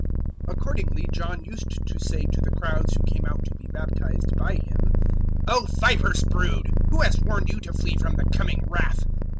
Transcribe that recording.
'" 003:007 Accordingly John used to say to the crowds who came out to be baptized by him, "O vipers' brood, who has warned you to flee from the coming wrath?